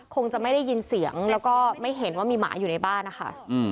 คงจะไม่ได้ยินเสียงแล้วก็ไม่เห็นว่ามีหมาอยู่ในบ้านนะคะ